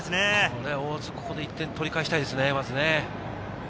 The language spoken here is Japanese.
大津、ここで１点取り返したいですね。